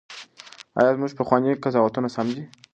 ایا زموږ پخواني قضاوتونه سم دي؟